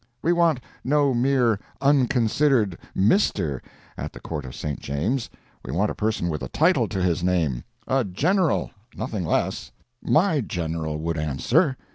We want no mere unconsidered "Mr." at the Court of St. James's; we want a person with a title to his name—a General, nothing less. My General would answer.